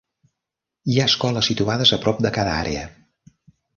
Hi ha escoles situades a prop de cada àrea.